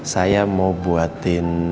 saya mau buatin